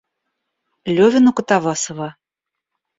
Левин у Катавасова.